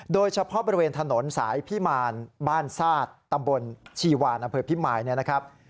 โดยเฉพาะบริเวณถนนสายพิมารบ้านซาดตำบลชีวานอำเภอพิมายเนี่ยนะครับ